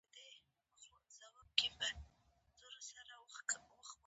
یوه ودانۍ ته ننوتو، د دهلېز کیڼ لاس ته یوه دروازه وه.